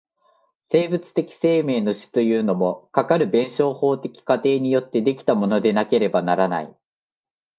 生物的生命の種というものも、かかる弁証法的過程によって出来たものでなければならない。